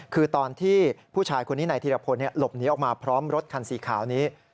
คือตอนที่ผู้ชายคนนี้นายธีรพลหลบหนีออกมาพร้อมรถคันสีขาวนี้